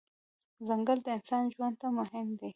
ځنګل د انسان ژوند ته مهم دی.